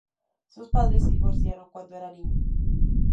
Sus padres se divorciaron cuando era niño.